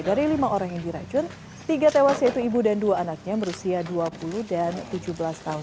dari lima orang yang diracun tiga tewas yaitu ibu dan dua anaknya berusia dua puluh dan tujuh belas tahun